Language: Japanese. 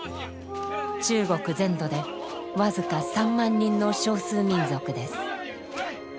中国全土で僅か３万人の少数民族です。